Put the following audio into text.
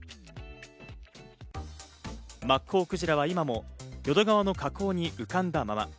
マッコウクジラは今も淀川の河口に浮かんだまま。